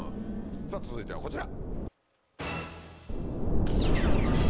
さぁ続いてはこちら。